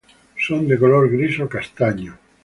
Son de color gris o castaño.